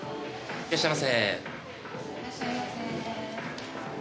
いらっしゃいませ。